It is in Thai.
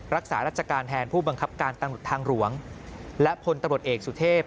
รักษาราชการแทนผู้บังคับการตำรวจทางหลวงและพลตำรวจเอกสุเทพ